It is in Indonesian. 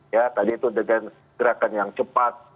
ya tadi itu dengan gerakan yang cepat